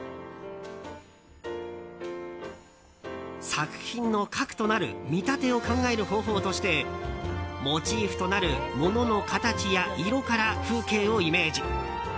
作品の核となる見立てを考える方法としてモチーフとなる物の形や色から風景をイメージ。